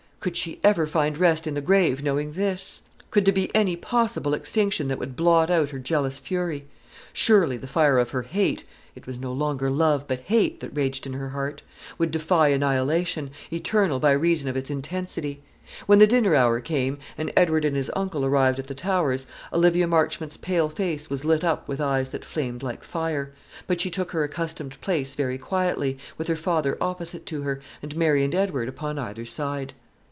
Could she ever find rest in the grave, knowing this? Could there be any possible extinction that would blot out her jealous fury? Surely the fire of her hate it was no longer love, but hate, that raged in her heart would defy annihilation, eternal by reason of its intensity. When the dinner hour came, and Edward and his uncle arrived at the Towers, Olivia Marchmont's pale face was lit up with eyes that flamed like fire; but she took her accustomed place very quietly, with her father opposite to her, and Mary and Edward upon either side.